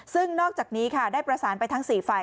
ซึ่งนอกจากนี้ค่ะได้ประสานไปทั้ง๔ฝ่าย